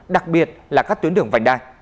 đặc biệt là các tuyến đường vành đai